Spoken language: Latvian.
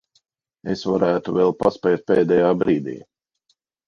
Es varētu vēl paspēt pēdējā brīdī.